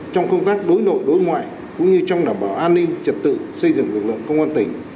trong công tác đối nội đối ngoại cũng như trong đảm bảo an ninh trật tự xây dựng lực lượng công an tỉnh